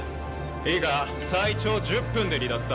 いいか最長１０分で離脱だ。